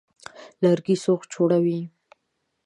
لرګي سوخت جوړوي.